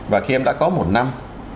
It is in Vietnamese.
và khi em đã có một năm